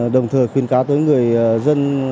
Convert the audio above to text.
đồng thời khuyên cá tới người dân